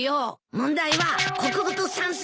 問題は国語と算数